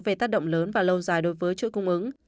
về tác động lớn và lâu dài đối với chuỗi cung ứng